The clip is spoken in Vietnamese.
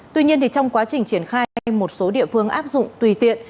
tuy nhiên trong quá trình triển khai một số địa phương áp dụng tùy tiện